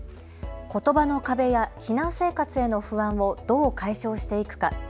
ことばの壁や避難生活への不安をどう解消していくか。